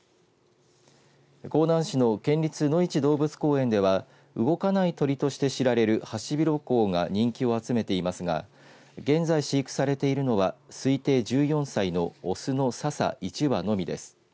香南市の県立のいち動物公園では動かない鳥として知られるハシビロコウは人気を集めていますが現在飼育されているのは推定１４歳の雄のささ１羽のみです。